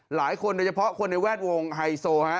หลายคนโดยเฉพาะคนในแวดวงไฮโซฮะ